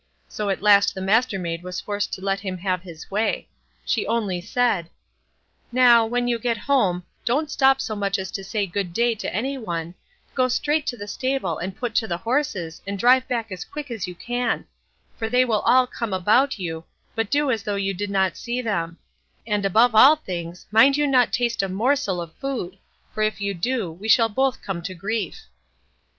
So at last the Mastermaid was forced to let him have his way; she only said: "Now, when you get home, don't stop so much as to say good day to any one, but go straight to the stable and put to the horses, and drive back as quick as you can; for they will all come about you; but do as though you did not see them; and above all things, mind you do not taste a morsel of food, for if you do, we shall both come to grief."